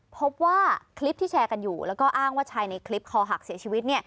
พบว่าคลิปที่แชร์กันอยู่แล้วก็อ้างว่าชายในคลิปคอหักเสียชีวิต